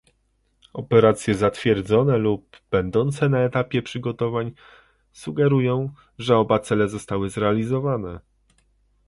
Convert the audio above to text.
Operacje zatwierdzone lub będące na etapie przygotowań, sugerują, że oba cele zostaną zrealizowane